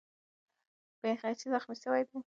بیرغچی زخمي سوی دی.